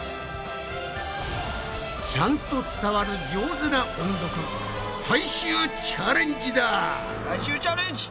ちゃんと伝わる上手な音読最終チャレンジだ！最終チャレンジ！